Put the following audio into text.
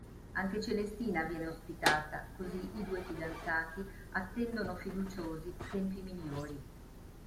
Anche Celestina viene ospitata, così i due fidanzati attendono fiduciosi tempi migliori.